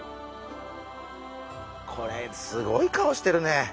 これすごい顔してるね。